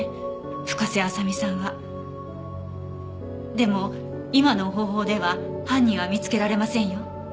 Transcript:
でも今の方法では犯人は見つけられませんよ。